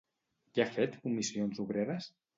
Què ha fet comissions obreres?